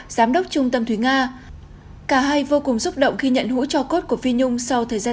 giám đốc trung tâm thúy nga cả hai vô cùng xúc động khi nhận hũ cho cốt của phi nhung sau thời gian